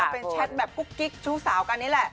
เป็นแชทแบบกุ๊กกิ๊กชู้สาวกันนี่แหละ